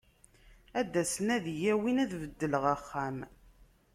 Ad d-asen ad yi-awin, ad beddleɣ axxam.